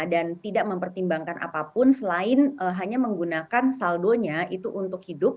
dan tidak mempertimbangkan apapun selain hanya menggunakan saldonya itu untuk hidup